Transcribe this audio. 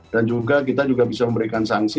dan juga kita juga bisa memberikan sanksi